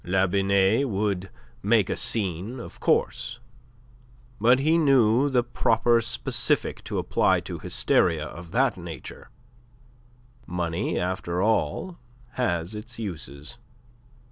La Binet would make a scene, of course; but he knew the proper specific to apply to hysteria of that nature. Money, after all, has its uses.